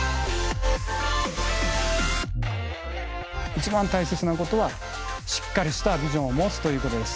一番大切なことはしっかりしたビジョンを持つということです。